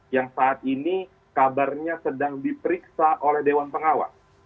yang saat ini kabarnya sedang diperiksa oleh dewan pengawas